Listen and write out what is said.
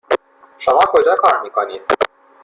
شما کجا کار میکنید؟